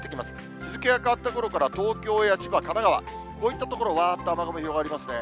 日付が変わったころから、東京や千葉、神奈川、こういった所、わーっと雨雲広がりますね。